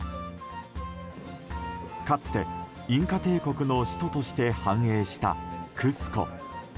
かつて、インカ帝国の首都として繁栄したクスコ。